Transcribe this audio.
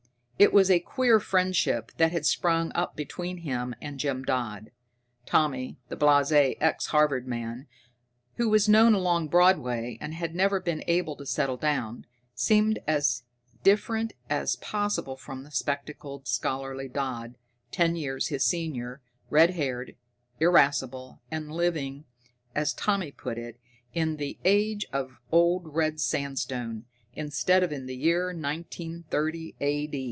It was a queer friendship that had sprung up between him and Jim Dodd. Tommy, the blasé ex Harvard man, who was known along Broadway, and had never been able to settle down, seemed as different as possible from the spectacled, scholarly Dodd, ten years his senior, red haired, irascible, and living, as Tommy put it, in the Age of Old Red Sandstone, instead of in the year 1930 A.